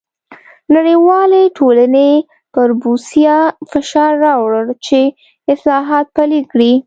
نړیوالې ټولنې پر بوسیا فشار راووړ چې اصلاحات پلي کړي.